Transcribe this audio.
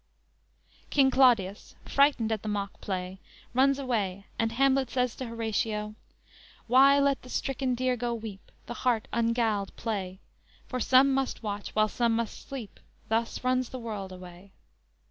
"_ King Claudius frightened at the mock play runs away, and Hamlet says to Horatio: _"Why let the stricken deer go weep, The hart ungalled play; For some must watch, while some must sleep Thus runs the world away."